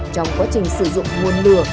trong quá trình sử dụng nguồn lửa